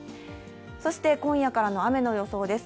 そして今夜からの雨の予想です。